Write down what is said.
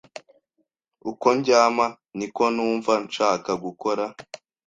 Uko ndyama, niko numva nshaka gukora.